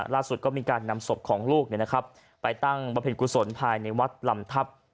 ล่าสุดก็มีการนำศพของลูกไปตั้งบำเพ็ญกุศลภายในวัดลำทัพ